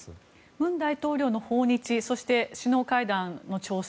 文大統領の訪日そして、首脳会談の調整。